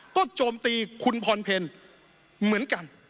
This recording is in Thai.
ก็โจมตีคุณพรเพลเหมือนกัน